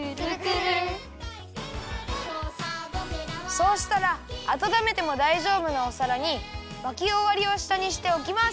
そうしたらあたためてもだいじょうぶなおさらにまきおわりをしたにしておきます。